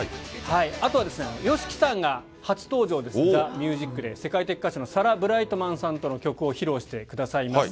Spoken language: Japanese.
あとはＹＯＳＨＩＫＩさんが初登場です、ＴＨＥＭＵＳＩＣＤＡＹ、世界的歌手のサラ・ブライトマンさんとの曲を披露してくださいます。